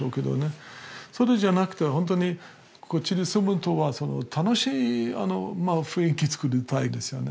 それじゃなくて本当にこっちで住むとは楽しい雰囲気作りたいですよね。